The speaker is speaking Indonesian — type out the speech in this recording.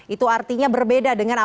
itu artinya berbeda dengan